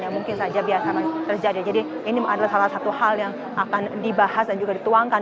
yang mungkin saja biasa terjadi jadi ini adalah salah satu hal yang akan dibahas dan juga dituangkan